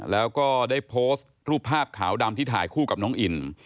แล้วก็ได้โพสต์รูปภาพขาวดำที่ถ่ายคู่กับน้องอิน